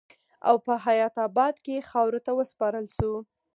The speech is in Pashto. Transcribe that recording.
او پۀ حيات اباد کښې خاورو ته وسپارل شو